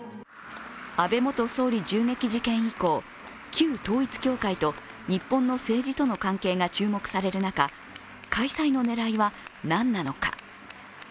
安倍元総理銃撃事件以降、旧統一教会と日本の政治との関係が注目される中、開催の狙いは何なのか。